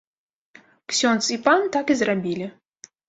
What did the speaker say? Ксёндз і пан так і зрабілі.